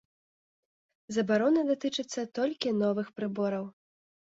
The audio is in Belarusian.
Забарона датычыцца толькі новых прыбораў.